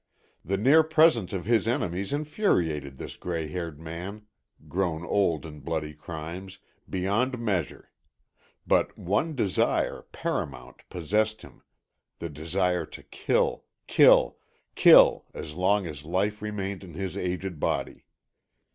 The near presence of his enemies infuriated this grey haired man, grown old in bloody crimes, beyond measure. But one desire, paramount, possessed him, the desire to kill, kill, kill, as long as life remained in his aged body.